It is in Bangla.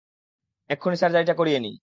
এক্ষুনি সার্জারিটা করিয়ে নিই!